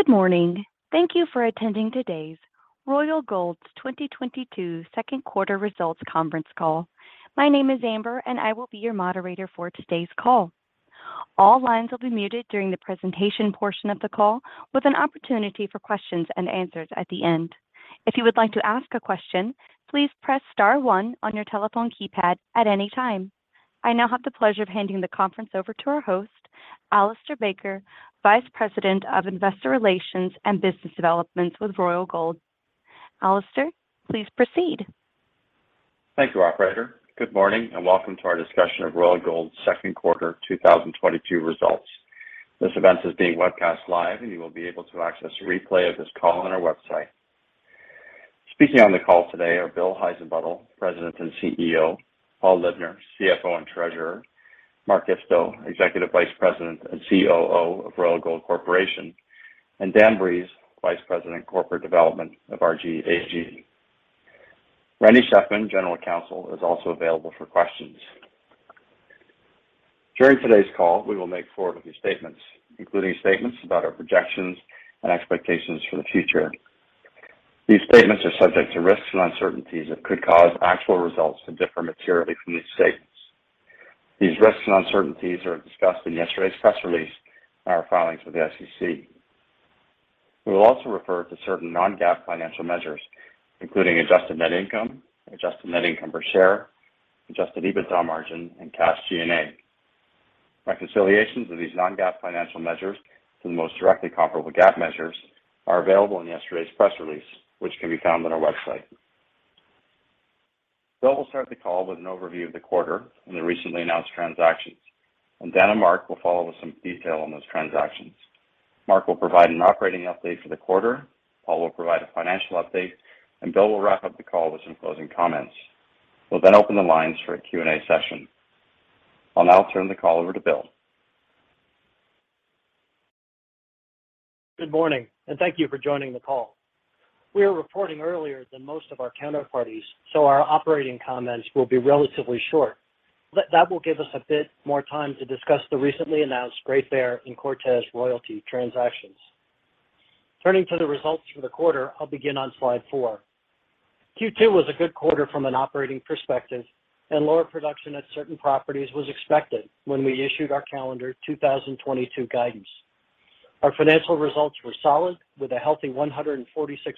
Good morning. Thank you for attending today's Royal Gold's 2022 Q2 results conference call. My name is Amber, and I will be your moderator for today's call. All lines will be muted during the presentation portion of the call with an opportunity for questions and answers at the end. If you would like to ask a question, please press star one on your telephone keypad at any time. I now have the pleasure of handing the conference over to our host, Alistair Baker, Vice President of Investor Relations and Business Developments with Royal Gold. Alistair, please proceed. Thank you, operator. Good morning and welcome to our discussion of Royal Gold's Q2 2022 results. This event is being webcast live, and you will be able to access a replay of this call on our website. Speaking on the call today are Bill Heissenbuttel, President and CEO, Paul Libner, CFO and Treasurer, Mark Isto, Executive Vice President and COO of Royal Gold Corporation, and Dan Breeze, Vice President Corporate Development of RG AG. Randy Shefman, General Counsel, is also available for questions. During today's call, we will make forward-looking statements, including statements about our projections and expectations for the future. These statements are subject to risks and uncertainties that could cause actual results to differ materially from these statements. These risks and uncertainties are discussed in yesterday's press release and our filings with the SEC. We will also refer to certain non-GAAP financial measures, including adjusted net income, adjusted net income per share, adjusted EBITDA margin, and cash G&A. Reconciliations of these non-GAAP financial measures to the most directly comparable GAAP measures are available in yesterday's press release, which can be found on our website. Bill will start the call with an overview of the quarter and the recently announced transactions. Dan and Mark will follow with some detail on those transactions. Mark will provide an operating update for the quarter, Paul will provide a financial update, and Bill will wrap up the call with some closing comments. We'll then open the lines for a Q&A session. I'll now turn the call over to Bill. Good morning and thank you for joining the call. We are reporting earlier than most of our counterparties, so our operating comments will be relatively short. That will give us a bit more time to discuss the recently announced Great Bear and Cortez royalty transactions. Turning to the results for the quarter, I'll begin on slide four. Q2 was a good quarter from an operating perspective, and lower production at certain properties was expected when we issued our calendar 2022 guidance. Our financial results were solid with a healthy $146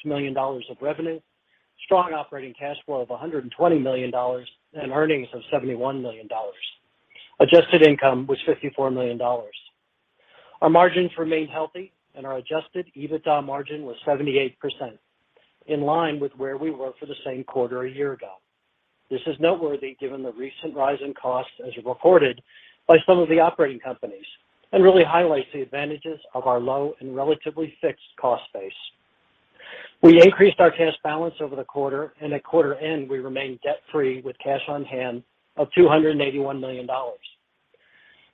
million of revenue, strong operating cash flow of $120 million, and earnings of $71 million. Adjusted income was $54 million. Our margins remained healthy and our adjusted EBITDA margin was 78%, in line with where we were for the same quarter a year ago. This is noteworthy given the recent rise in costs as reported by some of the operating companies and really highlights the advantages of our low and relatively fixed cost base. We increased our cash balance over the quarter and at quarter end, we remained debt-free with cash on hand of $281 million.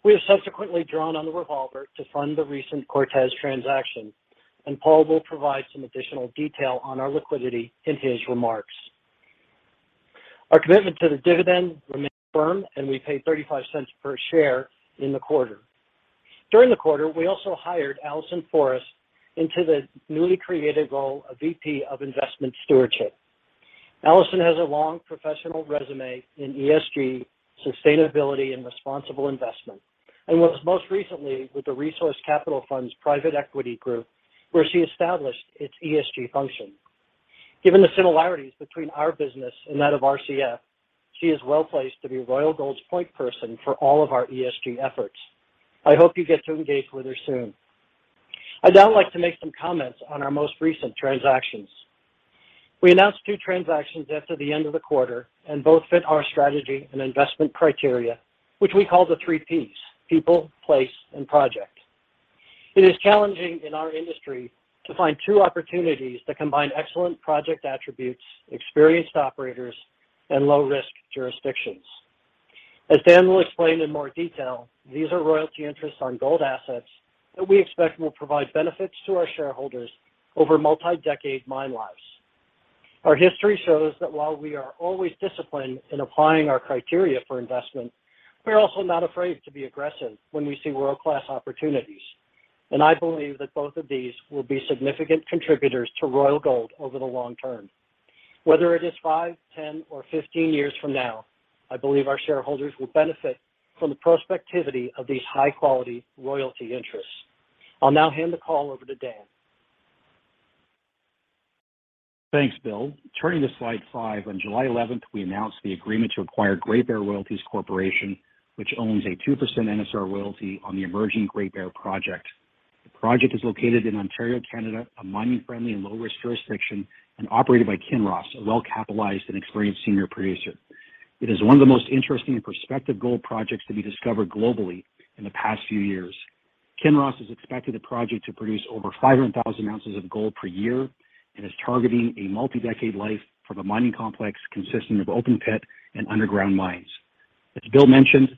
We have subsequently drawn on the revolver to fund the recent Cortez transaction, and Paul will provide some additional detail on our liquidity in his remarks. Our commitment to the dividend remains firm, and we paid $0.35 per share in the quarter. During the quarter, we also hired Allison Forrest into the newly created role of VP of Investment Stewardship. Allison has a long professional resume in ESG, sustainability, and responsible investment, and was most recently with the Resource Capital Funds private equity group, where she established its ESG function. Given the similarities between our business and that of RCF, she is well placed to be Royal Gold's point person for all of our ESG efforts. I hope you get to engage with her soon. I'd now like to make some comments on our most recent transactions. We announced two transactions after the end of the quarter, and both fit our strategy and investment criteria, which we call the three Ps, people, place, and project. It is challenging in our industry to find two opportunities that combine excellent project attributes, experienced operators, and low-risk jurisdictions. As Dan will explain in more detail, these are royalty interests on gold assets that we expect will provide benefits to our shareholders over multi-decade mine lives. Our history shows that while we are always disciplined in applying our criteria for investment, we are also not afraid to be aggressive when we see world-class opportunities, and I believe that both of these will be significant contributors to Royal Gold over the long term. Whether it is five, 10, or 15 years from now, I believe our shareholders will benefit from the prospectivity of these high-quality royalty interests. I'll now hand the call over to Dan. Thanks, Bill. Turning to slide five. On July 11th, we announced the agreement to acquire Great Bear Royalties Corp., which owns a 2% NSR royalty on the emerging Great Bear project. The project is located in Ontario, Canada, a mining-friendly and low-risk jurisdiction, and operated by Kinross, a well-capitalized and experienced senior producer. It is one of the most interesting and prospective gold projects to be discovered globally in the past few years. Kinross has expected the project to produce over 500,000 ounces of gold per year and is targeting a multi-decade life from a mining complex consisting of open pit and underground mines. As Bill mentioned,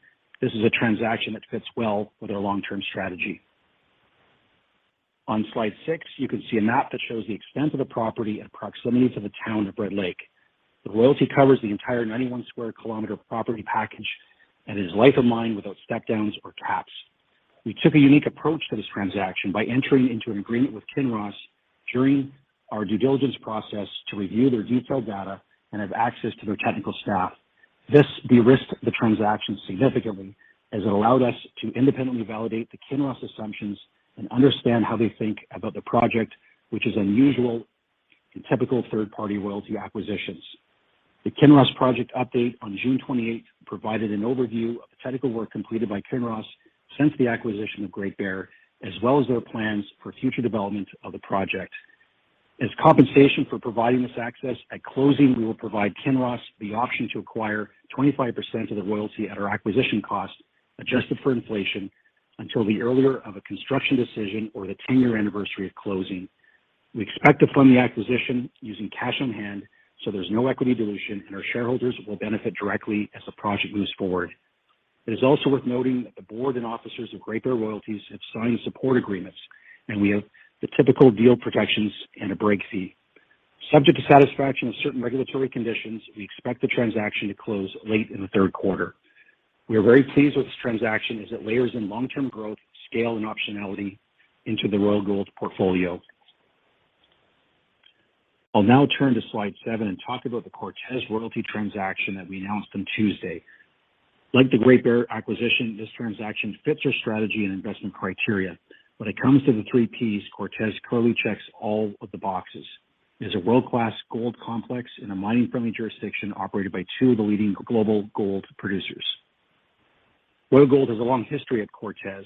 this is a transaction that fits well with our long-term strategy. On slide 6, you can see a map that shows the extent of the property and proximities of the town of Red Lake. The royalty covers the entire 91 sq km property package, and is life of mine without step downs or caps. We took a unique approach to this transaction by entering into an agreement with Kinross during our due diligence process to review their detailed data and have access to their technical staff. This de-risked the transaction significantly as it allowed us to independently validate the Kinross assumptions and understand how they think about the project, which is unusual in typical third-party royalty acquisitions. The Kinross project update on June 28 provided an overview of the technical work completed by Kinross since the acquisition of Great Bear, as well as their plans for future development of the project. As compensation for providing this access, at closing, we will provide Kinross the option to acquire 25% of the royalty at our acquisition cost, adjusted for inflation, until the earlier of a construction decision or the 10-year anniversary of closing. We expect to fund the acquisition using cash on hand, so there's no equity dilution, and our shareholders will benefit directly as the project moves forward. It is also worth noting that the board and officers of Great Bear Royalties have signed support agreements, and we have the typical deal protections and a break fee. Subject to satisfaction of certain regulatory conditions, we expect the transaction to close late in the third quarter. We are very pleased with this transaction as it layers in long-term growth, scale, and optionality into the Royal Gold portfolio. I'll now turn to slide seven and talk about the Cortez royalty transaction that we announced on Tuesday. Like the Great Bear acquisition, this transaction fits our strategy and investment criteria. When it comes to the three Ps, Cortez clearly checks all of the boxes. It is a world-class gold complex in a mining-friendly jurisdiction operated by two of the leading global gold producers. Royal Gold has a long history at Cortez.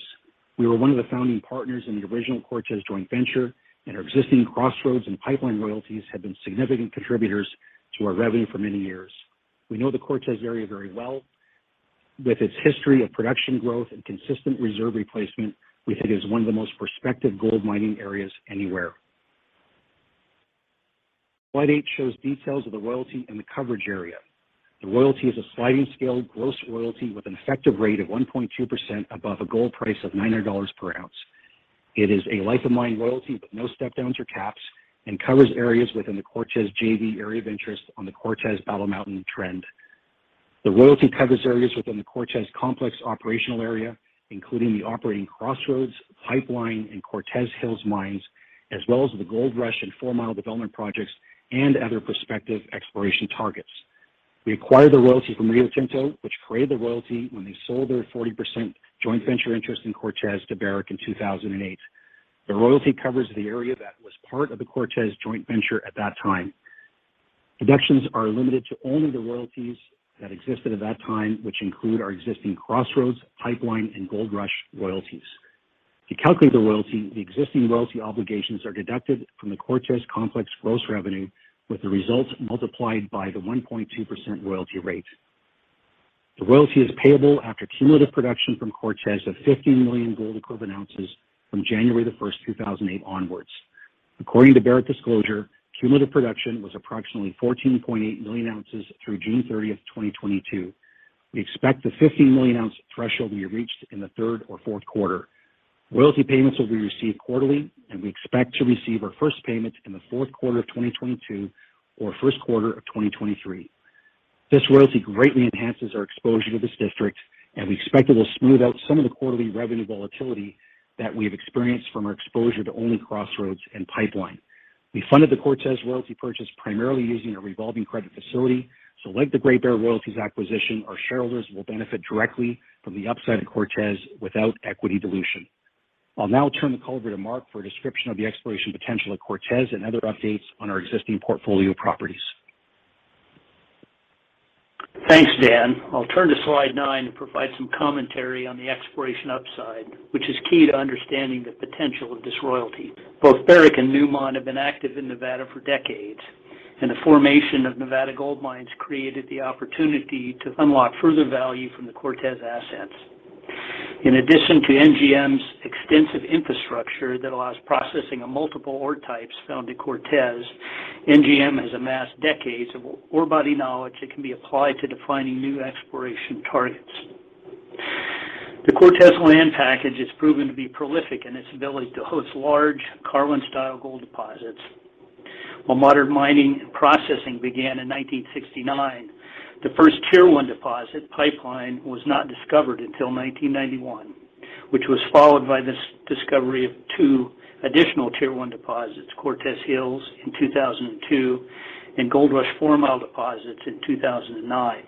We were one of the founding partners in the original Cortez joint venture, and our existing Crossroads and Pipeline royalties have been significant contributors to our revenue for many years. We know the Cortez area very well. With its history of production growth and consistent reserve replacement, we think it is one of the most prospective gold mining areas anywhere. Slide eight shows details of the royalty and the coverage area. The royalty is a sliding scale gross royalty with an effective rate of 1.2% above a gold price of $900 per ounce. It is a life of mine royalty with no step downs or caps and covers areas within the Cortez JV area of interest on the Cortez Battle Mountain Trend. The royalty covers areas within the Cortez complex operational area, including the operating Crossroads, Pipeline, and Cortez Hills mines, as well as the Gold Rush and Four Mile development projects and other prospective exploration targets. We acquired the royalty from Rio Tinto, which created the royalty when they sold their 40% joint venture interest in Cortez to Barrick in 2008. The royalty covers the area that was part of the Cortez joint venture at that time. Deductions are limited to only the royalties that existed at that time, which include our existing Crossroads, Pipeline, and Gold Rush royalties. To calculate the royalty, the existing royalty obligations are deducted from the Cortez complex gross revenue, with the results multiplied by the 1.2% royalty rate. The royalty is payable after cumulative production from Cortez of 50 million gold equivalent ounces from January 1, 2008 onwards. According to Barrick disclosure, cumulative production was approximately 14.8 million ounces through June 30, 2022. We expect the 50 million ounce threshold to be reached in the third or Q4. Royalty payments will be received quarterly, and we expect to receive our first payment in the Q4 of 2022 or Q1 of 2023. This royalty greatly enhances our exposure to this district, and we expect it will smooth out some of the quarterly revenue volatility that we have experienced from our exposure to only Crossroads and Pipeline. We funded the Cortez royalty purchase primarily using a revolving credit facility. Like the Great Bear Royalties acquisition, our shareholders will benefit directly from the upside of Cortez without equity dilution. I'll now turn the call over to Mark for a description of the exploration potential of Cortez and other updates on our existing portfolio properties. Thanks, Dan. I'll turn to slide nine and provide some commentary on the exploration upside, which is key to understanding the potential of this royalty. Both Barrick and Newmont have been active in Nevada for decades, and the formation of Nevada Gold Mines created the opportunity to unlock further value from the Cortez assets. In addition to NGM's extensive infrastructure that allows processing of multiple ore types found at Cortez, NGM has amassed decades of ore body knowledge that can be applied to defining new exploration targets. The Cortez land package has proven to be prolific in its ability to host large Carlin-style gold deposits. While modern mining and processing began in 1969, the first tier one deposit, Pipeline, was not discovered until 1991, which was followed by the discovery of two additional tier one deposits, Cortez Hills in 2002 and Goldrush-Four Mile deposits in 2009.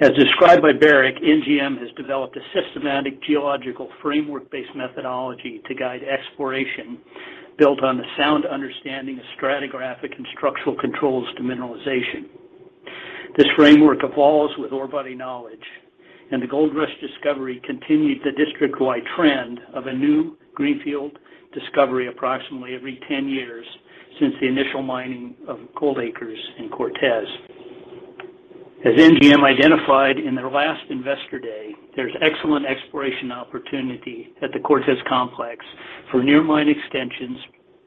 As described by Barrick, NGM has developed a systematic geological framework-based methodology to guide exploration built on a sound understanding of stratigraphic and structural controls to mineralization. This framework evolves with ore body knowledge, and the Goldrush discovery continued the district-wide trend of a new greenfield discovery approximately every 10 years since the initial mining of Gold Acres in Cortez. As NGM identified in their last Investor Day, there's excellent exploration opportunity at the Cortez complex for new mine extensions,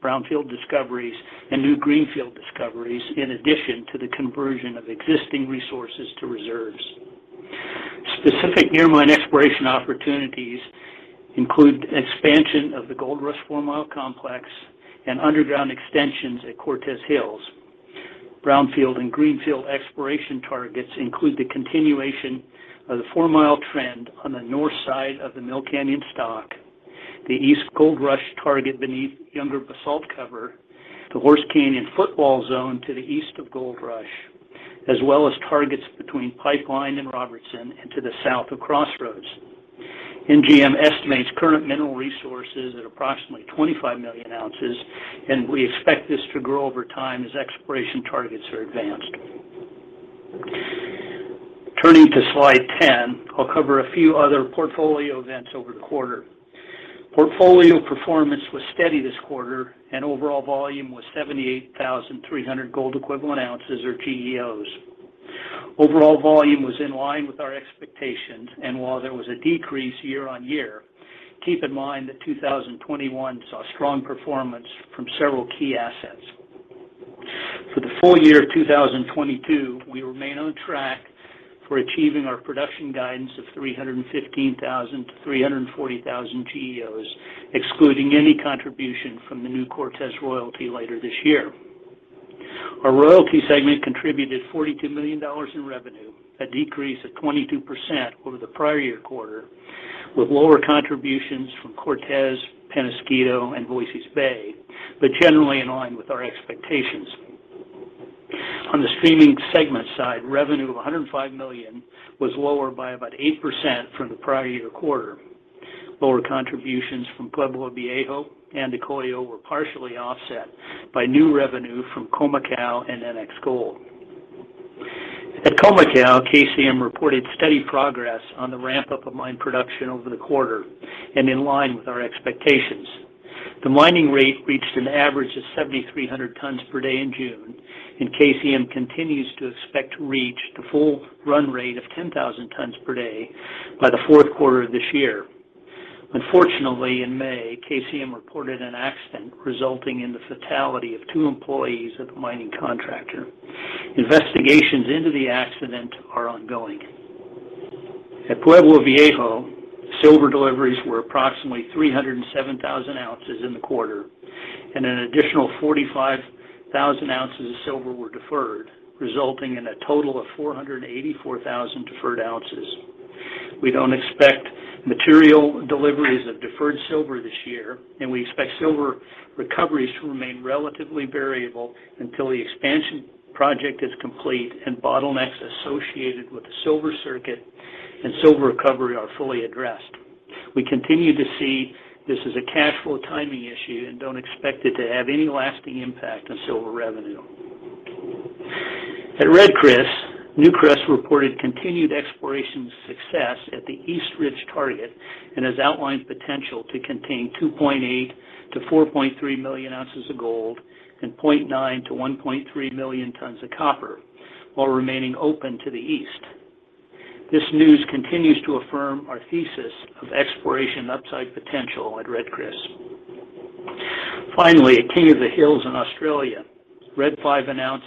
brownfield discoveries, and new greenfield discoveries, in addition to the conversion of existing resources to reserves. Specific near mine exploration opportunities include expansion of the Gold Rush Four Mile Complex and underground extensions at Cortez Hills. Brownfield and Greenfield exploration targets include the continuation of the Four Mile trend on the north side of the Mill Canyon stock, the East Gold Rush target beneath younger basalt cover, the Horse Canyon footwall zone to the east of Gold Rush, as well as targets between Pipeline and Robertson and to the south of Crossroads. NGM estimates current mineral resources at approximately 25 million ounces, and we expect this to grow over time as exploration targets are advanced. Turning to slide 10, I'll cover a few other portfolio events over the quarter. Portfolio performance was steady this quarter and overall volume was 78,300 gold equivalent ounces or GEOs. Overall volume was in line with our expectations and while there was a decrease year-on-year, keep in mind that 2021 saw strong performance from several key assets. For the full year of 2022, we remain on track for achieving our production guidance of 315,000-340,000 GEOs, excluding any contribution from the new Cortez royalty later this year. Our royalty segment contributed $42 million in revenue, a decrease of 22% over the prior year quarter, with lower contributions from Cortez, Peñasquito, and Voisey's Bay, but generally in line with our expectations. On the streaming segment side, revenue of $105 million was lower by about 8% from the prior year quarter. Lower contributions from Pueblo Viejo and Ekolo were partially offset by new revenue from Khoemacau and NX Gold. At Khoemacau, KCM reported steady progress on the ramp-up of mine production over the quarter and in line with our expectations. The mining rate reached an average of 7,300 tons per day in June, and KCM continues to expect to reach the full run rate of 10,000 tons per day by the Q4 of this year. Unfortunately, in May, KCM reported an accident resulting in the fatality of two employees of the mining contractor. Investigations into the accident are ongoing. At Pueblo Viejo, silver deliveries were approximately 307,000 ounces in the quarter, and an additional 45,000 ounces of silver were deferred, resulting in a total of 484,000 deferred ounces. We don't expect material deliveries of deferred silver this year, and we expect silver recoveries to remain relatively variable until the expansion project is complete and bottlenecks associated with the silver circuit and silver recovery are fully addressed. We continue to see this as a cash flow timing issue and don't expect it to have any lasting impact on silver revenue. At Red Chris, Newcrest reported continued exploration success at the East Ridge target and has outlined potential to contain 2.8-4.3 million ounces of gold and 0.9-1.3 million tons of copper while remaining open to the east. This news continues to affirm our thesis of exploration upside potential at Red Chris. Finally, at King of the Hills in Australia, Red 5 announced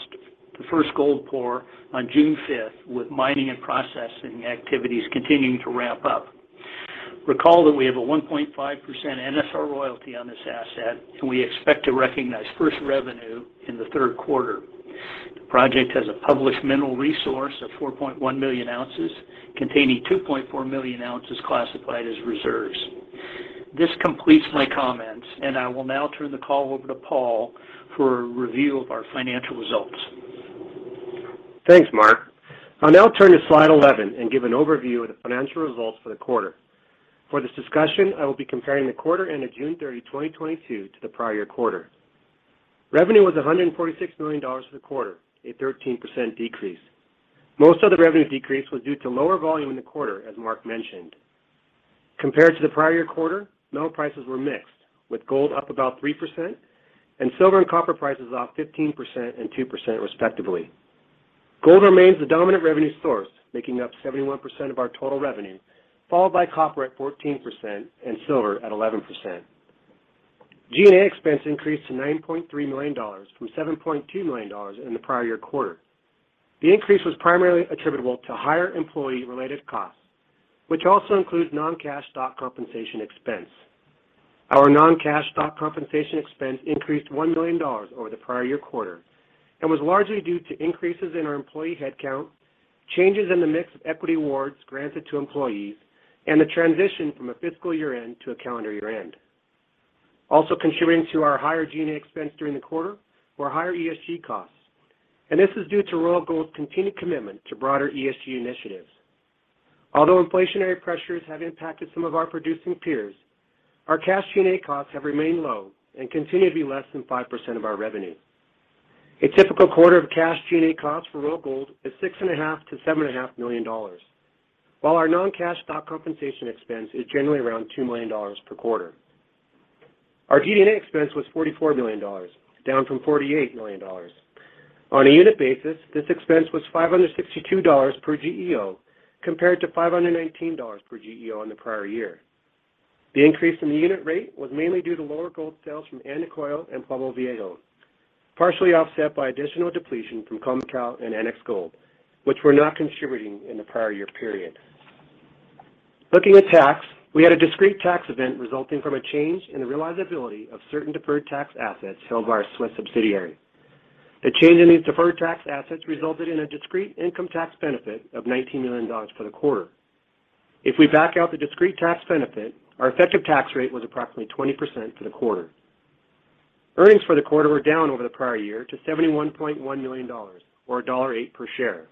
the first gold pour on June 5, with mining and processing activities continuing to ramp up. Recall that we have a 1.5% NSR royalty on this asset, and we expect to recognize first revenue in the third quarter. The project has a published mineral resource of 4.1 million ounces containing 2.4 million ounces classified as reserves. This completes my comments, and I will now turn the call over to Paul for a review of our financial results. Thanks, Mark. I'll now turn to slide 11 and give an overview of the financial results for the quarter. For this discussion, I will be comparing the quarter end of June 30, 2022 to the prior quarter. Revenue was $146 million for the quarter, a 13% decrease. Most of the revenue decrease was due to lower volume in the quarter, as Mark mentioned. Compared to the prior quarter, metal prices were mixed, with gold up about 3% and silver and copper prices off 15% and 2% respectively. Gold remains the dominant revenue source, making up 71% of our total revenue, followed by copper at 14% and silver at 11%. G&A expense increased to $9.3 million from $7.2 million in the prior year quarter. The increase was primarily attributable to higher employee-related costs, which also includes non-cash stock compensation expense. Our non-cash stock compensation expense increased $1 million over the prior year quarter and was largely due to increases in our employee headcount, changes in the mix of equity awards granted to employees, and the transition from a fiscal year-end to a calendar year-end. Also contributing to our higher G&A expense during the quarter were higher ESG costs, and this is due to Royal Gold's continued commitment to broader ESG initiatives. Although inflationary pressures have impacted some of our producing peers, our cash G&A costs have remained low and continue to be less than 5% of our revenue. A typical quarter of cash G&A costs for Royal Gold is $6.5 million-$7.5 million, while our non-cash stock compensation expense is generally around $2 million per quarter. Our G&A expense was $44 million, down from $48 million. On a unit basis, this expense was $562 per GEO, compared to $519 per GEO in the prior year. The increase in the unit rate was mainly due to lower gold sales from Andacollo and Pueblo Viejo, partially offset by additional depletion from Comau and NX Gold, which were not contributing in the prior year period. Looking at tax, we had a discrete tax event resulting from a change in the realizability of certain deferred tax assets held by our Swiss subsidiary. The change in these deferred tax assets resulted in a discrete income tax benefit of $19 million for the quarter. If we back out the discrete tax benefit, our effective tax rate was approximately 20% for the quarter. Earnings for the quarter were down over the prior year to $71.1 million or $1.08 per share.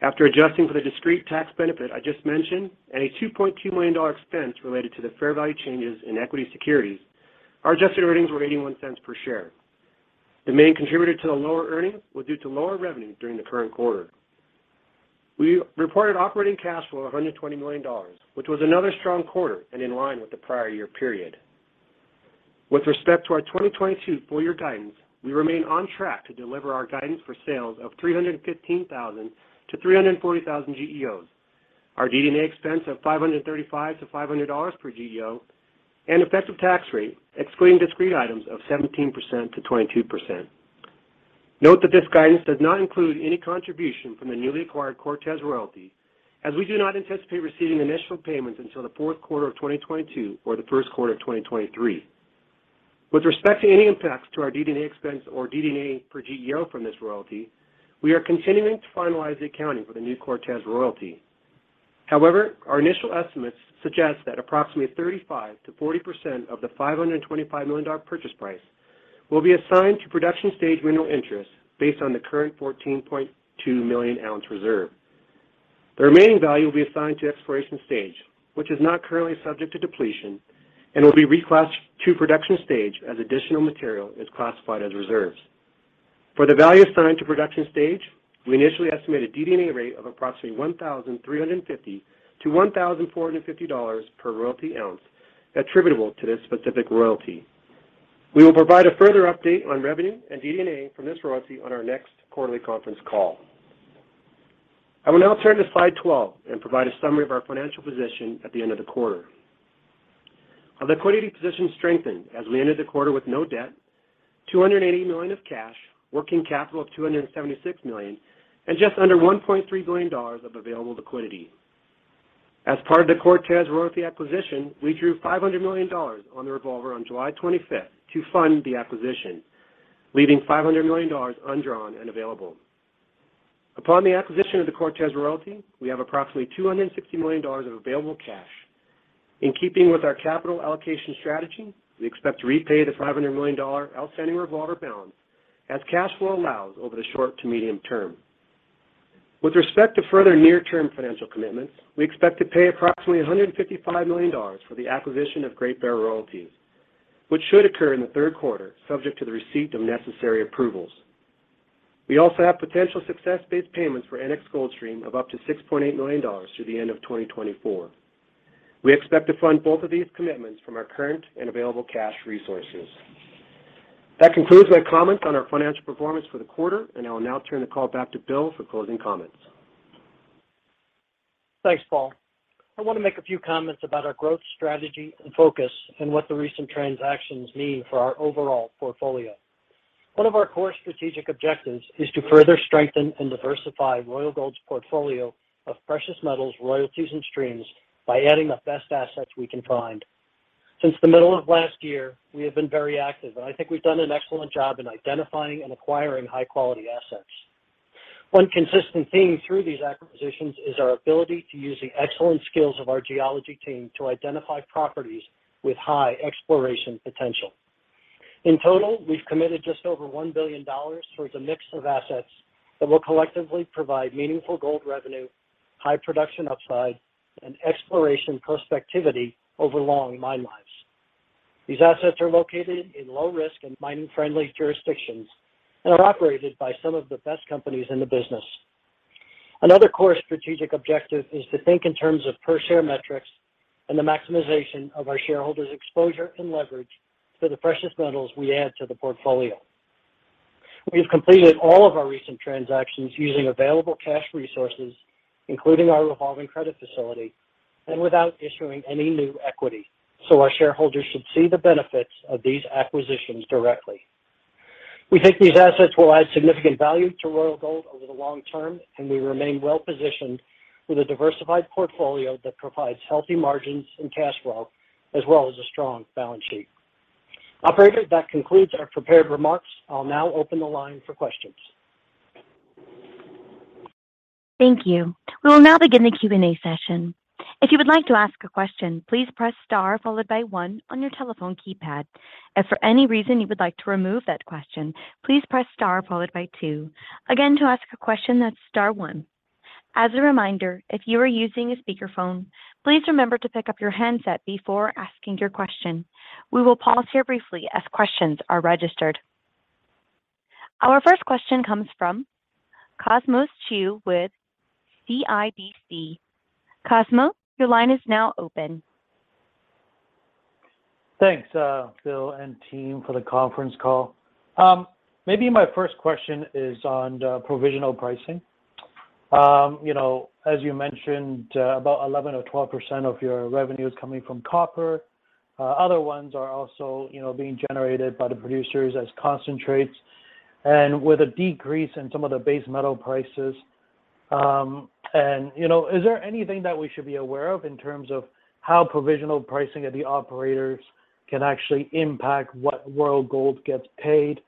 After adjusting for the discrete tax benefit I just mentioned and a $2.2 million expense related to the fair value changes in equity securities, our adjusted earnings were $0.81 per share. The main contributor to the lower earnings was due to lower revenue during the current quarter. We reported operating cash flow of $120 million, which was another strong quarter and in line with the prior year period. With respect to our 2022 full-year guidance, we remain on track to deliver our guidance for sales of 315,000-340,000 GEOs. Our DD&A expense of $535-$500 per GEO and effective tax rate, excluding discrete items, of 17%-22%. Note that this guidance does not include any contribution from the newly acquired Cortez royalty, as we do not anticipate receiving initial payments until the Q4 of 2022 or the Q1 of 2023. With respect to any impacts to our DD&A expense or DD&A per GEO from this royalty, we are continuing to finalize the accounting for the new Cortez royalty. However, our initial estimates suggest that approximately 35%-40% of the $525 million purchase price will be assigned to production stage mineral interest based on the current 14.2 million ounce reserve. The remaining value will be assigned to exploration stage, which is not currently subject to depletion and will be reclassed to production stage as additional material is classified as reserves. For the value assigned to production stage, we initially estimated DD&A rate of approximately $1,350-$1,450 per royalty ounce attributable to this specific royalty. We will provide a further update on revenue and DD&A from this royalty on our next quarterly conference call. I will now turn to slide 12 and provide a summary of our financial position at the end of the quarter. Our liquidity position strengthened as we ended the quarter with no debt, $280 million of cash, working capital of $276 million, and just under $1.3 billion of available liquidity. As part of the Cortez royalty acquisition, we drew $500 million on the revolver on July 25 to fund the acquisition, leaving $500 million undrawn and available. Upon the acquisition of the Cortez royalty, we have approximately $260 million of available cash. In keeping with our capital allocation strategy, we expect to repay the five hundred million dollar outstanding revolver balance as cash flow allows over the short to medium term. With respect to further near-term financial commitments, we expect to pay approximately $155 million for the acquisition of Great Bear Royalties, which should occur in the third quarter, subject to the receipt of necessary approvals. We also have potential success-based payments for NX Gold stream of up to $6.8 million through the end of 2024. We expect to fund both of these commitments from our current and available cash resources. That concludes my comments on our financial performance for the quarter, and I will now turn the call back to Bill for closing comments. Thanks, Paul. I want to make a few comments about our growth strategy and focus and what the recent transactions mean for our overall portfolio. One of our core strategic objectives is to further strengthen and diversify Royal Gold's portfolio of precious metals, royalties, and streams by adding the best assets we can find. Since the middle of last year, we have been very active, and I think we've done an excellent job in identifying and acquiring high-quality assets. One consistent theme through these acquisitions is our ability to use the excellent skills of our geology team to identify properties with high exploration potential. In total, we've committed just over $1 billion towards a mix of assets that will collectively provide meaningful gold revenue, high production upside, and exploration prospectivity over long mine lives. These assets are located in low risk and mining-friendly jurisdictions and are operated by some of the best companies in the business. Another core strategic objective is to think in terms of per share metrics and the maximization of our shareholders exposure and leverage to the precious metals we add to the portfolio. We have completed all of our recent transactions using available cash resources, including our revolving credit facility and without issuing any new equity. Our shareholders should see the benefits of these acquisitions directly. We think these assets will add significant value to Royal Gold over the long term, and we remain well-positioned with a diversified portfolio that provides healthy margins and cash flow as well as a strong balance sheet. Operator, that concludes our prepared remarks. I'll now open the line for questions. Thank you. We will now begin the Q&A session. If you would like to ask a question, please press star followed by one on your telephone keypad. If for any reason you would like to remove that question, please press star followed by two. Again, to ask a question, that's star one. As a reminder, if you are using a speakerphone, please remember to pick up your handset before asking your question. We will pause here briefly as questions are registered. Our first question comes from Cosmos Chiu with CIBC. Cosmos, your line is now open. Thanks, Bill and team for the conference call. Maybe my first question is on the provisional pricing. You know, as you mentioned, about 11% or 12% of your revenue is coming from copper. Other ones are also, you know, being generated by the producers as concentrates. With a decrease in some of the base metal prices, and, you know, is there anything that we should be aware of in terms of how provisional pricing of the operators can actually impact what Royal Gold gets paid?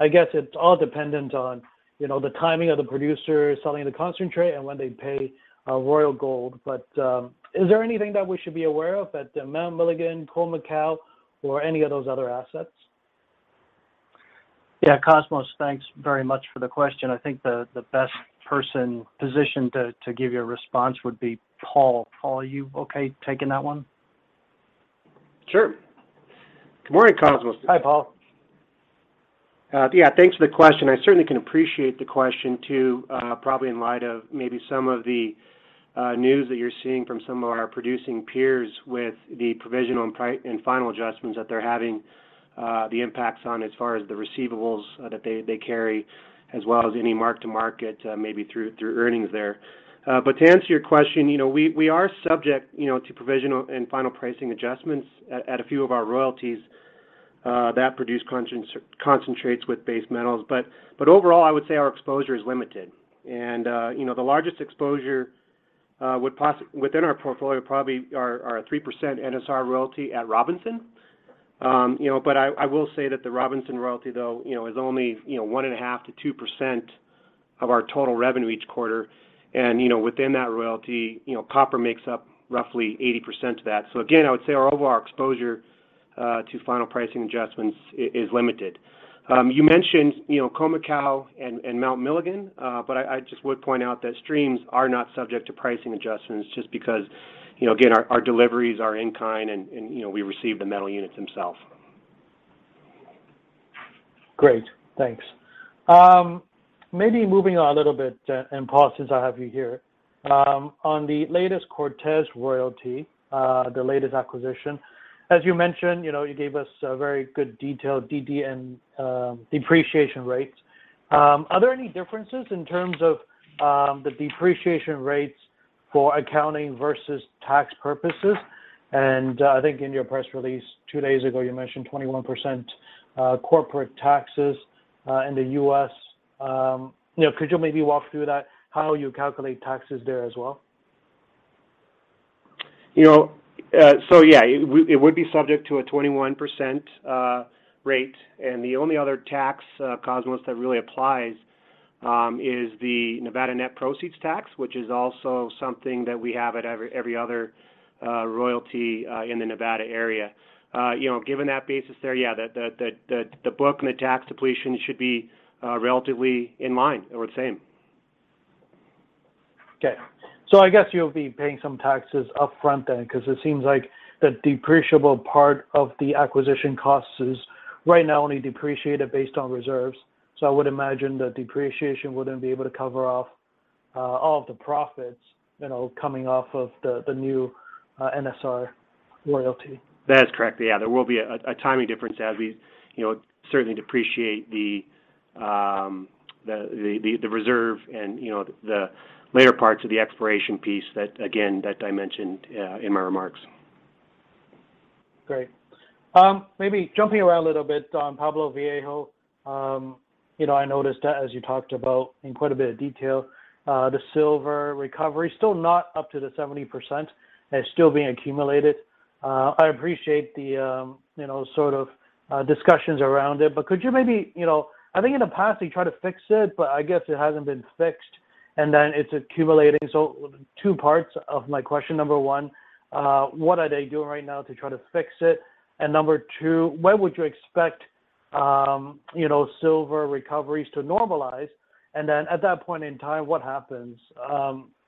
I guess it's all dependent on, you know, the timing of the producer selling the concentrate and when they pay, Royal Gold. Is there anything that we should be aware of at Mount Milligan, Khoemacau or any of those other assets? Yeah. Cosmos, thanks very much for the question. I think the best person positioned to give you a response would be Paul. Paul, are you okay taking that one? Sure. Good morning, Cosmos. Hi, Paul. Yeah, thanks for the question. I certainly can appreciate the question, too, probably in light of maybe some of the news that you're seeing from some of our producing peers with the provisional and final adjustments that they're having, the impacts on as far as the receivables that they carry, as well as any mark-to-market, maybe through earnings there. To answer your question, you know, we are subject, you know, to provisional and final pricing adjustments at a few of our royalties that produce concentrates with base metals. Overall, I would say our exposure is limited. You know, the largest exposure within our portfolio probably are a 3% NSR royalty at Robinson. You know, I will say that the Robinson royalty, though, you know, is only 1.5%-2% of our total revenue each quarter. You know, within that royalty, you know, copper makes up roughly 80% of that. Again, I would say our overall exposure to final pricing adjustments is limited. You mentioned, you know, Khoemacau and Mount Milligan, but I just would point out that streams are not subject to pricing adjustments just because, you know, again, our deliveries are in kind and, you know, we receive the metal units themselves. Great. Thanks. Maybe moving on a little bit, and Paul, since I have you here, on the latest Cortez royalty, the latest acquisition, as you mentioned, you know, you gave us a very good detailed DD and depreciation rates. Are there any differences in terms of the depreciation rates for accounting versus tax purposes? I think in your press release two days ago, you mentioned 21% corporate taxes in the U.S. You know, could you maybe walk through that, how you calculate taxes there as well? You know, yeah, it would be subject to a 21% rate. The only other tax, Cosmos, that really applies is the Nevada net proceeds tax, which is also something that we have at every other royalty in the Nevada area. You know, given that basis there, yeah, the book and the tax depletion should be relatively in line or the same. Okay. I guess you'll be paying some taxes up front then, because it seems like the depreciable part of the acquisition cost is right now only depreciated based on reserves. I would imagine the depreciation wouldn't be able to cover off all of the profits, you know, coming off of the new NSR royalty. That is correct. Yeah. There will be a timing difference as we, you know, certainly depreciate the reserve and, you know, the later parts of the exploration piece that again, that I mentioned in my remarks. Great. Maybe jumping around a little bit on Pueblo Viejo. You know, I noticed that as you talked about in quite a bit of detail, the silver recovery, still not up to the 70% and still being accumulated. I appreciate the, you know, sort of, discussions around it, but could you maybe you know, I think in the past, you tried to fix it, but I guess it hasn't been fixed, and then it's accumulating. Two parts of my question. Number one, what are they doing right now to try to fix it? And number two, when would you expect, you know, silver recoveries to normalize? And then at that point in time, what happens,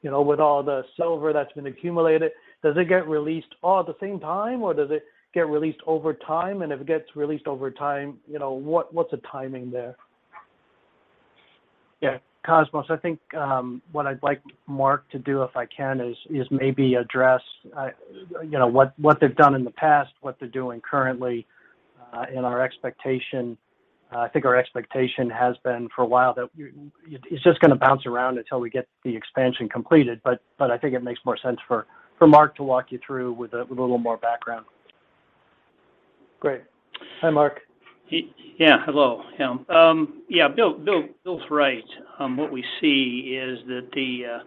you know, with all the silver that's been accumulated? Does it get released all at the same time, or does it get released over time? If it gets released over time, you know, what's the timing there? Yeah. Cosmos, I think what I'd like Mark to do, if I can, is maybe address, you know, what they've done in the past, what they're doing currently, and our expectation. I think our expectation has been for a while that it's just gonna bounce around until we get the expansion completed. I think it makes more sense for Mark to walk you through with a little more background. Great. Hi, Mark. Yeah, Bill's right. What we see is that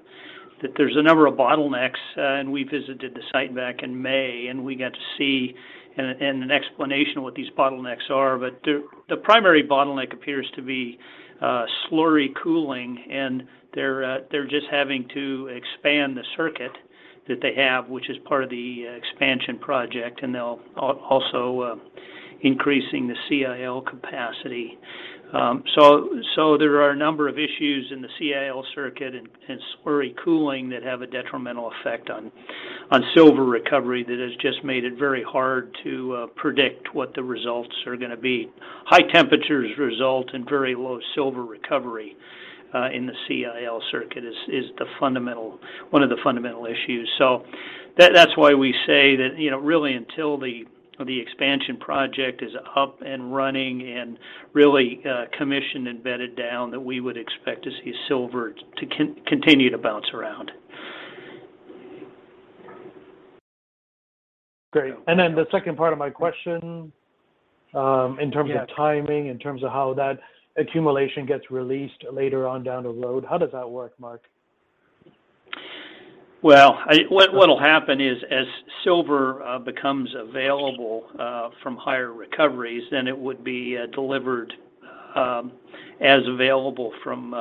there's a number of bottlenecks, and we visited the site back in May, and we got to see an explanation of what these bottlenecks are. The primary bottleneck appears to be slurry cooling, and they're just having to expand the circuit that they have, which is part of the expansion project, and they'll also increasing the CIL capacity. There are a number of issues in the CIL circuit and slurry cooling that have a detrimental effect on silver recovery that has just made it very hard to predict what the results are gonna be. High temperatures result in very low silver recovery. In the CIL circuit is one of the fundamental issues. That's why we say that, you know, really until the expansion project is up and running and really commissioned and bedded down, that we would expect to see silver continue to bounce around. Great. The second part of my question, in terms of timing, in terms of how that accumulation gets released later on down the road, how does that work, Mark? What'll happen is as silver becomes available from higher recoveries, then it would be delivered as available from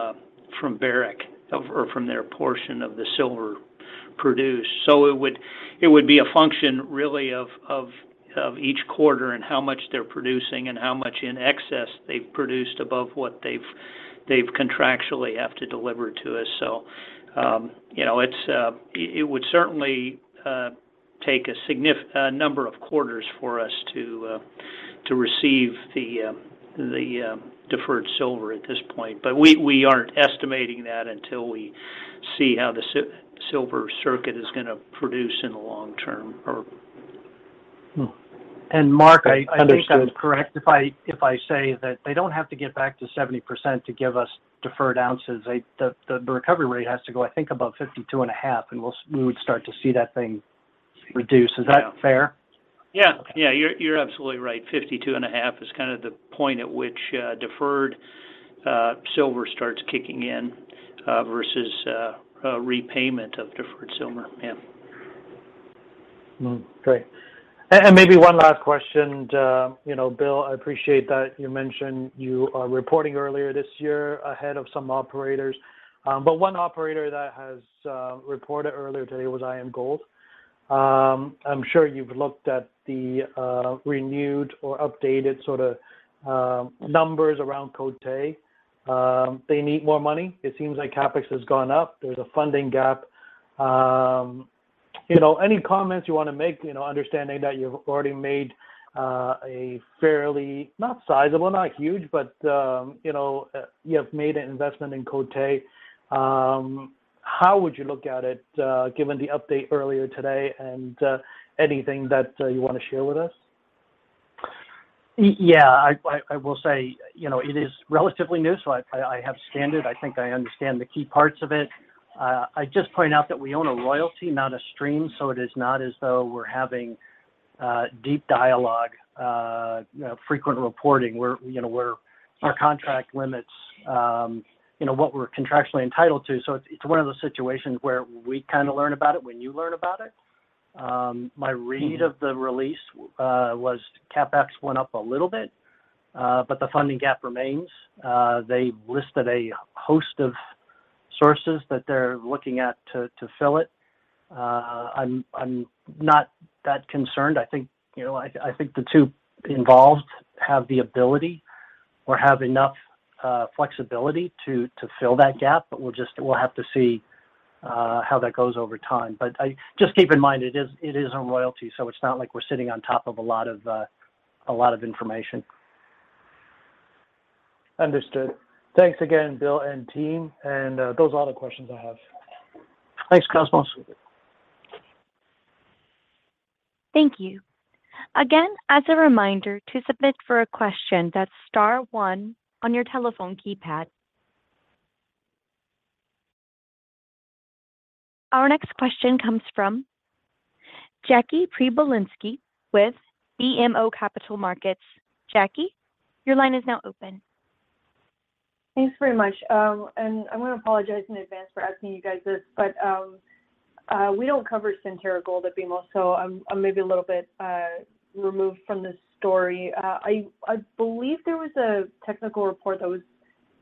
Barrick or from their portion of the silver produced. It would be a function really of each quarter and how much they're producing and how much in excess they've produced above what they contractually have to deliver to us. You know, it would certainly take a number of quarters for us to receive the deferred silver at this point. We aren't estimating that until we see how the silver circuit is gonna produce in the long term. Mark, I think I'm correct if I say that they don't have to get back to 70% to give us deferred ounces. They, the recovery rate has to go, I think, above 52.5, and we would start to see that thing reduce. Is that fair? Yeah. Yeah, you're absolutely right. $52.5 is kind of the point at which deferred silver starts kicking in versus repayment of deferred silver. Yeah. Great. Maybe one last question. You know, Bill, I appreciate that you mentioned you are reporting earlier this year ahead of some operators. One operator that has reported earlier today was IAMGOLD. I'm sure you've looked at the renewed or updated sort of numbers around Côté. They need more money. It seems like CapEx has gone up. There's a funding gap. You know, any comments you wanna make, you know, understanding that you've already made a fairly, not sizable, not huge, but you know, you have made an investment in Côté. How would you look at it given the update earlier today and anything that you wanna share with us? Yeah. I will say, you know, it is relatively new, so I have scanned it. I think I understand the key parts of it. I'd just point out that we own a royalty, not a stream, so it is not as though we're having deep dialogue, frequent reporting. We're, you know, our contract limits, you know, what we're contractually entitled to. So it's one of those situations where we kind of learn about it when you learn about it. My read of the release was CapEx went up a little bit, but the funding gap remains. They've listed a host of sources that they're looking at to fill it. I'm not that concerned. I think, you know, I think the two involved have the ability or have enough flexibility to fill that gap, but we'll just have to see how that goes over time. Just keep in mind, it is a royalty, so it's not like we're sitting on top of a lot of information. Understood. Thanks again, Bill and team. Those are all the questions I have. Thanks, Cosmos. Thank you. Again, as a reminder, to submit for a question, that's star one on your telephone keypad. Our next question comes from Jackie Przybylowski with BMO Capital Markets. Jackie, your line is now open. Thanks very much. I wanna apologize in advance for asking you guys this, but we don't cover Centerra Gold at BMO, so I'm maybe a little bit removed from the story. I believe there was a technical report that was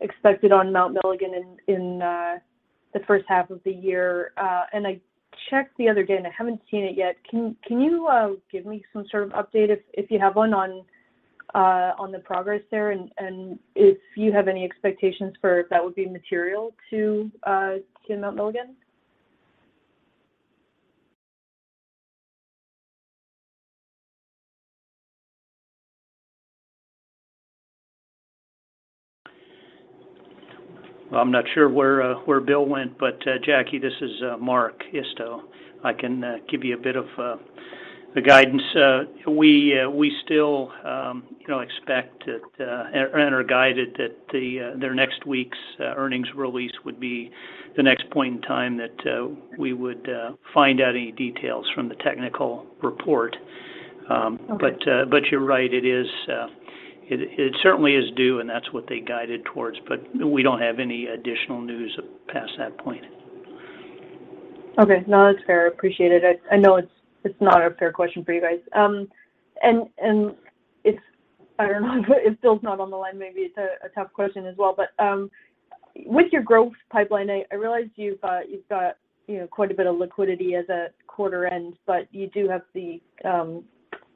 expected on Mount Milligan in the first half of the year. I checked the other day, and I haven't seen it yet. Can you give me some sort of update if you have one on the progress there and if you have any expectations for if that would be material to Mount Milligan? Well, I'm not sure where Bill went, but Jackie, this is Mark Isto. I can give you a bit of the guidance. We still, you know, expect that or are guided that their next week's earnings release would be the next point in time that we would find out any details from the technical report. Okay. You're right. It is certainly due, and that's what they guided towards. We don't have any additional news past that point. Okay. No, that's fair. Appreciate it. I know it's not a fair question for you guys. I don't know. If Bill's not on the line, maybe it's a tough question as well. With your growth pipeline, I realize you've got you know quite a bit of liquidity as of quarter end, but you do have the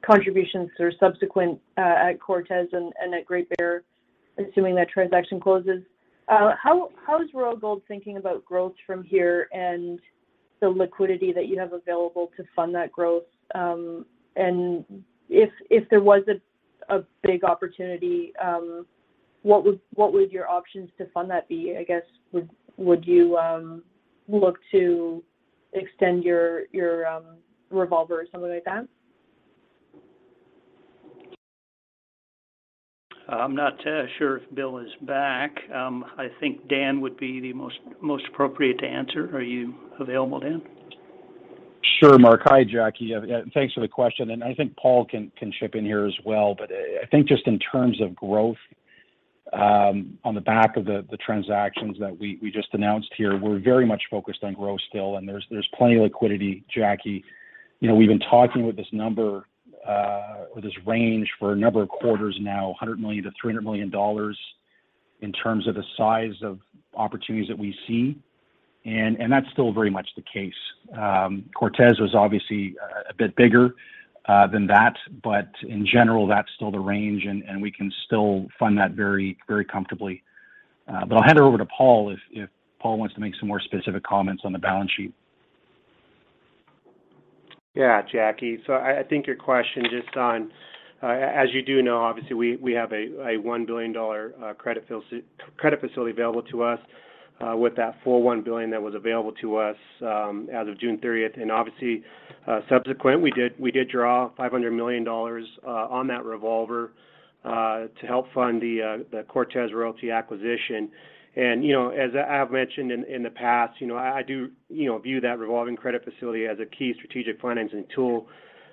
contributions or subsequent at Cortez and at Great Bear, assuming that transaction closes. How is Royal Gold thinking about growth from here and the liquidity that you have available to fund that growth. And if there was a big opportunity, what would your options to fund that be? I guess would you look to extend your revolver or something like that? I'm not sure if Bill is back. I think Dan would be the most appropriate to answer. Are you available, Dan? Sure, Mark. Hi, Jackie. Yeah, thanks for the question, and I think Paul can chip in here as well. I think just in terms of growth, on the back of the transactions that we just announced here, we're very much focused on growth still, and there's plenty of liquidity, Jackie. You know, we've been talking with this number or this range for a number of quarters now, $100 million-$300 million in terms of the size of opportunities that we see, and that's still very much the case. Cortez was obviously a bit bigger than that. In general, that's still the range and we can still fund that very, very comfortably. I'll hand it over to Paul if Paul wants to make some more specific comments on the balance sheet. Yeah, Jackie. I think your question just on as you do know, obviously, we have a $1 billion credit facility available to us with that full $1 billion that was available to us as of June thirtieth. Obviously, subsequently, we did draw $500 million on that revolver to help fund the Cortez royalty acquisition. You know, as I have mentioned in the past, you know, I do view that revolving credit facility as a key strategic financing tool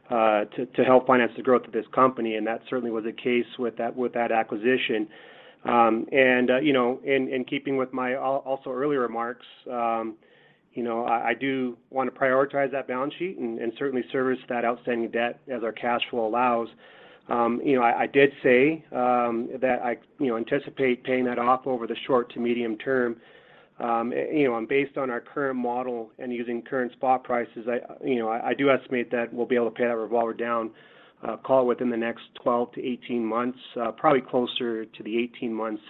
to help finance the growth of this company, and that certainly was the case with that acquisition. In keeping with my earlier remarks, you know, I do want to prioritize that balance sheet and certainly service that outstanding debt as our cash flow allows. You know, I did say that I anticipate paying that off over the short to medium term. You know, based on our current model and using current spot prices, I do estimate that we'll be able to pay that revolver down, call within the next 12-18 months, probably closer to the 18 months,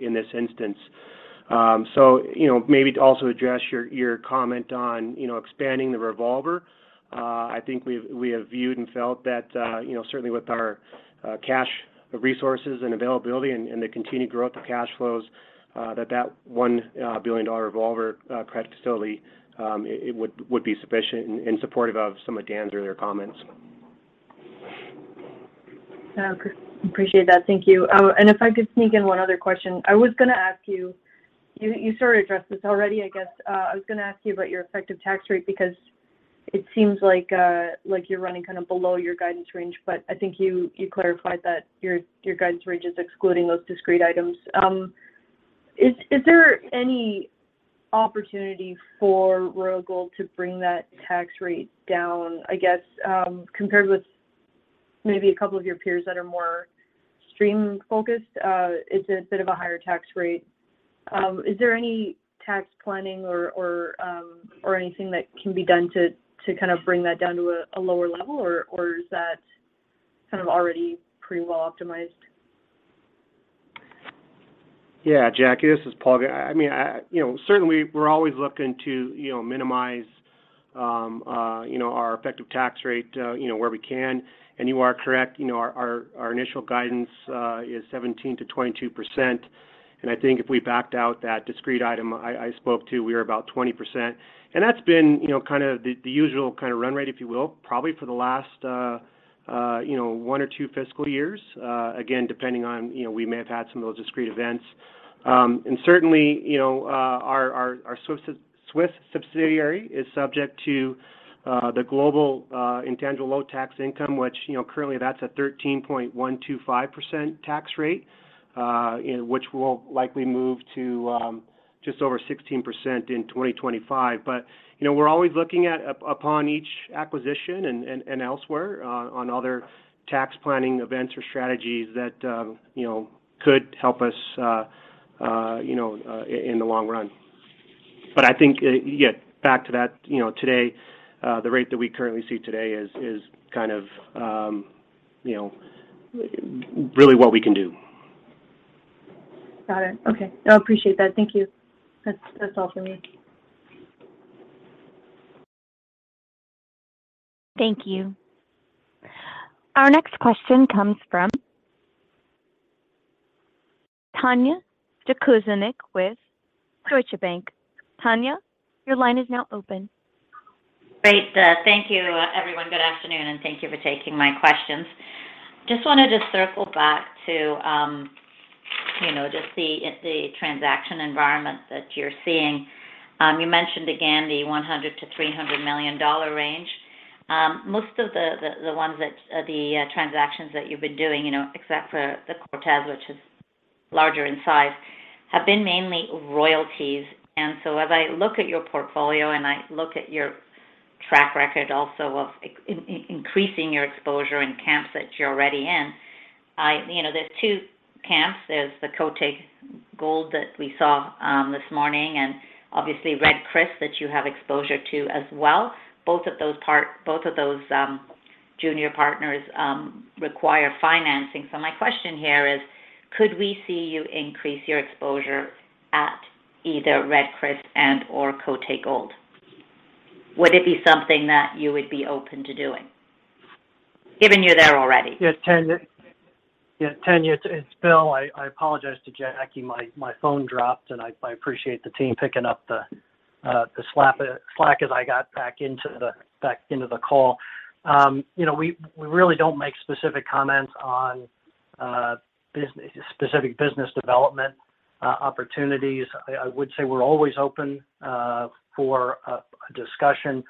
in this instance. You know, maybe to also address your comment on, you know, expanding the revolver, I think we have viewed and felt that, you know, certainly with our cash resources and availability and the continued growth of cash flows, that $1 billion revolver credit facility would be sufficient in support of some of Dan's earlier comments. Appreciate that, thank you. If I could sneak in one other question. I was gonna ask you sort of addressed this already, I guess. I was gonna ask you about your effective tax rate because it seems like you're running kind of below your guidance range, but I think you clarified that your guidance range is excluding those discrete items. Is there any opportunity for Royal Gold to bring that tax rate down? I guess, compared with maybe a couple of your peers that are more stream-focused, it's a bit of a higher tax rate. Is there any tax planning or anything that can be done to kind of bring that down to a lower level or is that kind of already pretty well optimized? Yeah, Jackie, this is Paul again. I mean, you know, certainly we're always looking to, you know, minimize you know, our effective tax rate, you know, where we can. You are correct, you know, our initial guidance is 17%-22%. I think if we backed out that discrete item I spoke to, we are about 20%. That's been, you know, kind of the usual kind of run rate, if you will, probably for the last you know, one or two fiscal years, again, depending on, you know, we may have had some of those discrete events. Certainly, you know, our Swiss subsidiary is subject to the Global Intangible Low-Taxed Income, which, you know, currently that's a 13.125% tax rate, you know, which will likely move to just over 16% in 2025. You know, we're always looking at upon each acquisition and elsewhere on other tax planning events or strategies that, you know, could help us in the long run. I think, yeah, back to that, you know, today the rate that we currently see today is kind of, you know, really what we can do. Got it. Okay. No, appreciate that. Thank you. That's all for me. Thank you. Our next question comes from Tanya Jakusconek with Deutsche Bank. Tanya, your line is now open. Great. Thank you, everyone. Good afternoon, and thank you for taking my questions. Just wanted to circle back to, you know, just the transaction environment that you're seeing. You mentioned again the $100-$300 million range. Most of the ones that you've been doing, you know, except for the Cortez, which is larger in size, have been mainly royalties. As I look at your portfolio and I look at your track record also of increasing your exposure in camps that you're already in, you know, there's two camps. There's the Côté Gold that we saw this morning and obviously Red Chris that you have exposure to as well. Both of those junior partners require financing. My question here is, could we see you increase your exposure at either Red Chris and/or Côté Gold? Would it be something that you would be open to doing given you're there already? Yeah, Tanya. Yeah, Tanya, it's Bill. I apologize to Jackie, my phone dropped, and I appreciate the team picking up the slack as I got back into the call. You know, we really don't make specific comments on specific business development opportunities. I would say we're always open for a discussion,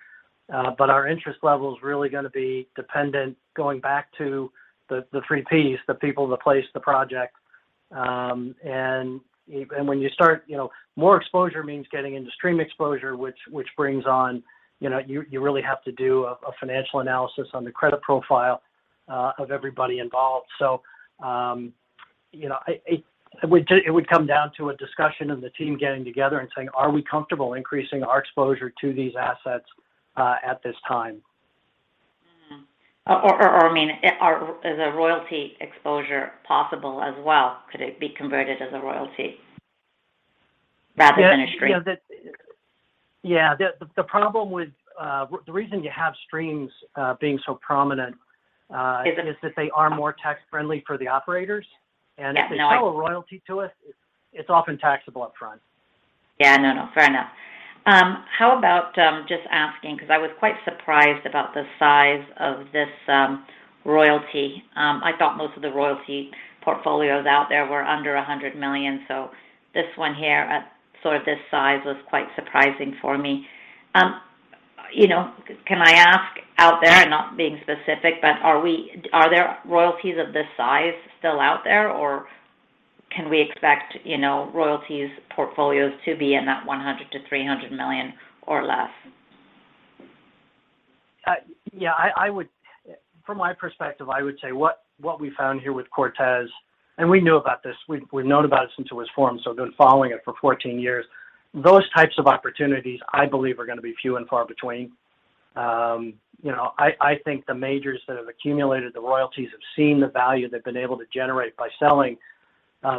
but our interest level is really gonna be dependent going back to the three Ps, the people, the place, the project. When you start, you know, more exposure means getting into stream exposure, which brings on, you really have to do a financial analysis on the credit profile of everybody involved. You know, it would come down to a discussion of the team getting together and saying, Are we comfortable increasing our exposure to these assets at this time? I mean, is a royalty exposure possible as well? Could it be converted as a royalty rather than a stream? Yeah, you know, yeah. The reason you have streams being so prominent. Is it- It's that they are more tax-friendly for the operators. Yeah, no. If you sell a royalty to us, it's often taxable upfront. Yeah. No, no, fair enough. How about just asking, because I was quite surprised about the size of this royalty. I thought most of the royalty portfolios out there were under $100 million, so this one here at sort of this size was quite surprising for me. You know, can I ask out there, and not being specific, but are there royalties of this size still out there, or can we expect, you know, royalties portfolios to be in that $100 million-$300 million or less? Yeah. From my perspective, I would say what we found here with Cortez, and we knew about this, we've known about it since it was formed, so been following it for 14 years, those types of opportunities, I believe, are gonna be few and far between. You know, I think the majors that have accumulated the royalties have seen the value they've been able to generate by selling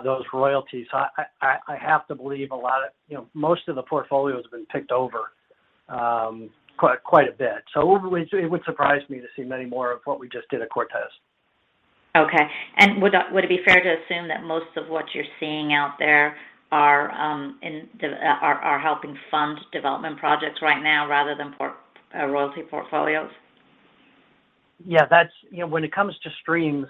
those royalties. I have to believe a lot of, you know, most of the portfolio's been picked over quite a bit. It would surprise me to see many more of what we just did at Cortez. Okay. Would it be fair to assume that most of what you're seeing out there are helping fund development projects right now rather than royalty portfolios? Yeah. That's, you know, when it comes to streams,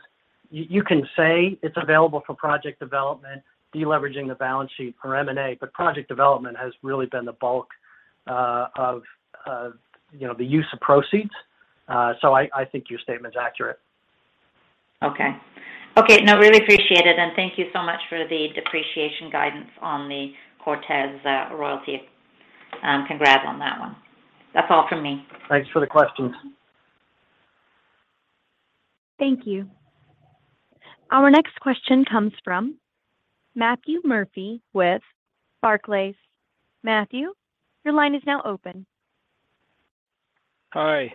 you can say it's available for project development, de-leveraging the balance sheet for M&A, but project development has really been the bulk of the use of proceeds. So I think your statement's accurate. Okay. No, really appreciate it, and thank you so much for the depreciation guidance on the Cortez royalty. Congrats on that one. That's all from me. Thanks for the questions. Thank you. Our next question comes from Matthew Murphy with Barclays. Matthew, your line is now open. Hi.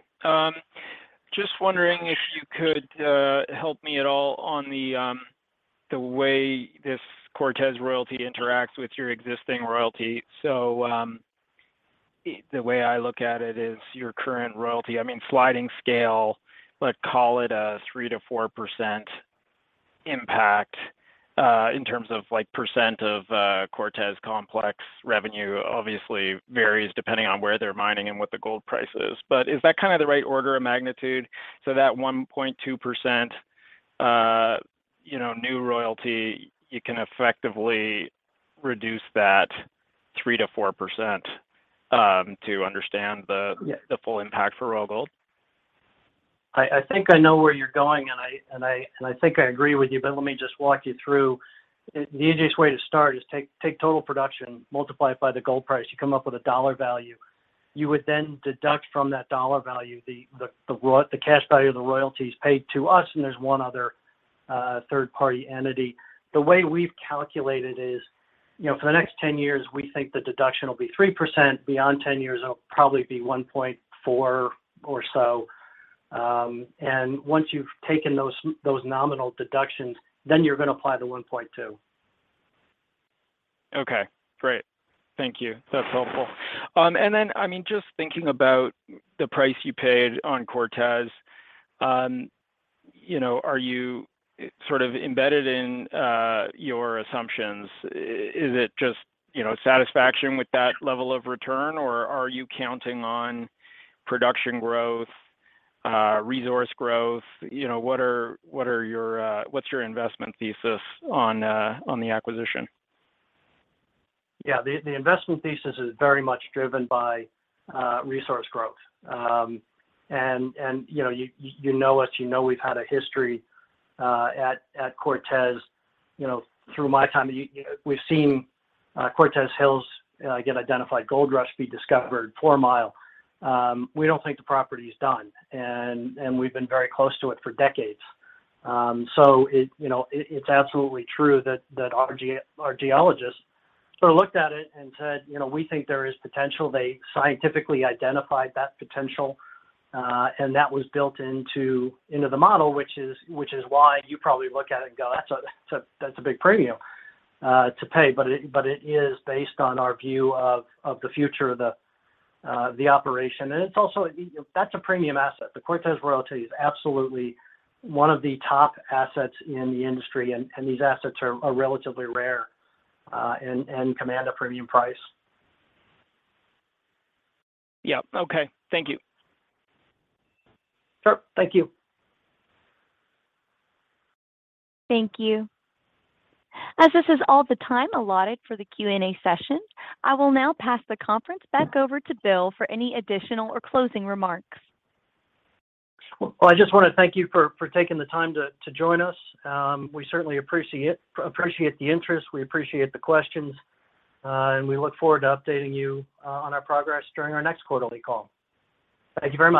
Just wondering if you could help me at all on the way this Cortez royalty interacts with your existing royalty. The way I look at it is your current royalty, I mean sliding scale, but call it a 3%-4% impact in terms of, like, percent of Cortez complex revenue obviously varies depending on where they're mining and what the gold price is. But is that kind of the right order of magnitude? That 1.2%, you know, new royalty, you can effectively reduce that 3%-4% to understand the Yeah The full impact for Royal Gold? I think I know where you're going, and I think I agree with you, but let me just walk you through. The easiest way to start is take total production, multiply it by the gold price. You come up with a dollar value. You would then deduct from that dollar value the cash value of the royalties paid to us, and there's one other third party entity. The way we've calculated is, you know, for the next 10 years, we think the deduction will be 3%. Beyond 10 years, it'll probably be 1.4 or so. Once you've taken those nominal deductions, then you're gonna apply the 1.2. Okay. Great. Thank you. That's helpful. I mean, just thinking about the price you paid on Cortez, you know, are you sort of embedded in your assumptions? Is it just, you know, satisfaction with that level of return, or are you counting on production growth, resource growth? You know, what's your investment thesis on the acquisition? Yeah. The investment thesis is very much driven by resource growth. You know, you know us, you know we've had a history at Cortez. You know, through my time you know, we've seen Cortez Hills get identified, Gold Rush be discovered, Four Mile. We don't think the property's done, and we've been very close to it for decades. It you know it's absolutely true that our geologists sort of looked at it and said, you know, "We think there is potential." They scientifically identified that potential and that was built into the model, which is why you probably look at it and go, "That's a big premium to pay." But it is based on our view of the future of the operation, and it's also, you know, that's a premium asset. The Cortez royalty is absolutely one of the top assets in the industry, and these assets are relatively rare and command a premium price. Yeah. Okay. Thank you. Sure. Thank you. Thank you. As this is all the time allotted for the Q&A session, I will now pass the conference back over to Bill for any additional or closing remarks. Well, I just wanna thank you for taking the time to join us. We certainly appreciate the interest, we appreciate the questions, and we look forward to updating you on our progress during our next quarterly call. Thank you very much.